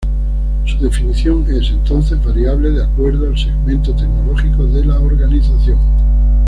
Su definición es, entonces, variable de acuerdo al segmento tecnológico de la organización.